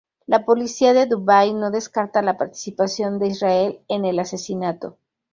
La policía de Dubái no descarta la participación de Israel en el asesinato.